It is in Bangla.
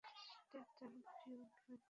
এটা একটা ভিডিয়ো গেমের প্লট!